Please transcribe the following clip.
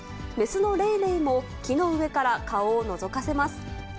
雌のレイレイも、木の上から顔をのぞかせます。